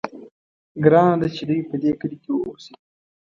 ګرانه ده چې دوی په دې کلي کې واوسي.